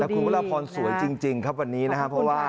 แต่คุณวลพรสวยจริงครับวันนี้นะครับ